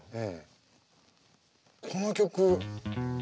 この曲。